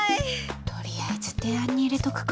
とりあえず提案に入れとくか。